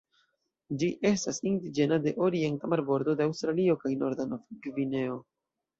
Ĝi estas indiĝena de orienta marbordo de Aŭstralio kaj norda Nov-Gvineo.